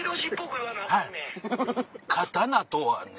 「刀とはね」。